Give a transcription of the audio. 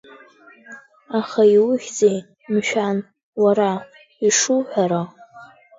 Аха иухьзеи, мшәан, уара, ишуҳәара?